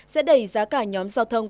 sẽ đẩy giá cả nhóm giao thông